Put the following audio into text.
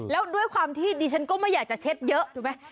แล้วด้วยความที่ดิฉันก็ไม่อยากจะเช็ดเยอะถูกไหม